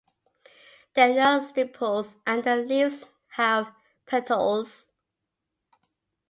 There are no stipules and the leaves have petioles.